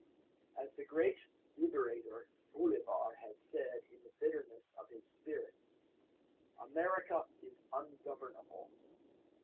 As the great Liberator Bolivar had said in the bitterness of his spirit, "America is ungovernable.